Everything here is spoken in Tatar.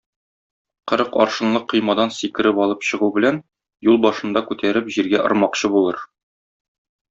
Кырык аршынлы коймадан сикереп алып чыгу белән, юл башында күтәреп җиргә ормакчы булыр.